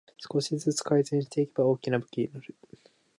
少しずつ改善していけば大きな武器になる